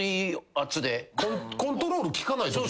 コントロール利かないとき。